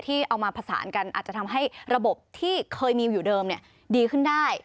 เอามาผสานกันอาจจะทำให้ระบบที่เคยมีอยู่เดิมดีขึ้นได้